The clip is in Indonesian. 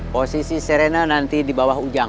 posisi serena nanti di bawah ujang